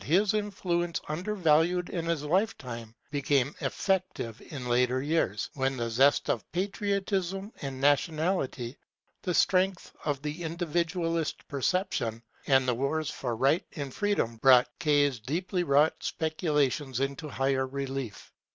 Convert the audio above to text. s influence, undervalued in his lifetime, became effective in later years, when the zest of patriotism and nationality, the strength of the individualist perception, and the wars for right and freedom brought K.'s deeply wrought speculations into higher relief.